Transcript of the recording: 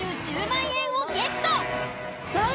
１０万円をゲット。